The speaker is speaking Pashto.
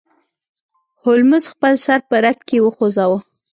هولمز خپل سر په رد کې وخوزاوه.